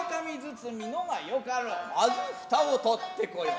先ず蓋を取ってこよう。